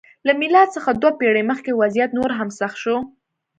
له میلاد څخه دوه پېړۍ مخکې وضعیت نور هم سخت شو.